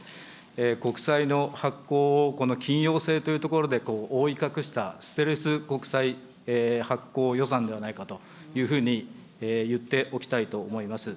国債の発行をこの緊要性というところで覆い隠した、ステルス国債発行予算ではないかというふうにいっておきたいと思います。